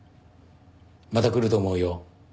また来ると思うよ。